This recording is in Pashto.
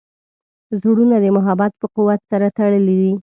زړونه د محبت په قوت سره تړلي وي.